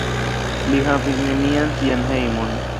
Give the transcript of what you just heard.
Li havis nenian sian hejmon.